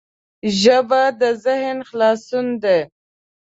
ژبه د ذهن خلاصون دی